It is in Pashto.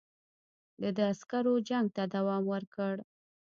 د ده عسکرو جنګ ته دوام ورکړ.